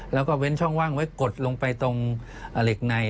แล้วก็เว้นช่องว่างไว้กดลงไปตรงเหล็กใน